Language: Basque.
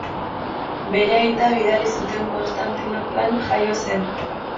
Bere aita bidali zuten Konstantinoplan jaio zen.